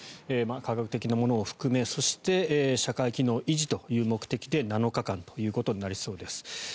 科学的なものを含めそして社会機能維持という目的で７日間となりそうです。